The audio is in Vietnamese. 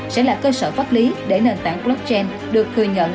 sẽ là cơ sở pháp lý để nền tảng blockchain được thừa nhận